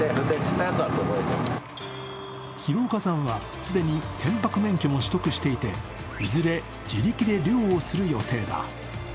廣岡さんは既に船舶免許も取得していて、いずれ、自力で漁をする予定だ。